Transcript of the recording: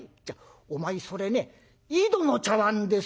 お前それね『井戸の茶碗』ですよ。